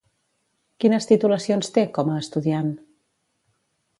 Quines titulacions té, com a estudiant?